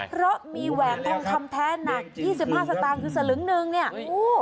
เพราะมีแหวนทองทำแทนน่ะ๒๕สตาร์มคือสลึงนึงเนี่ยโอ้